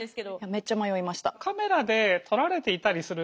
めっちゃ迷いました。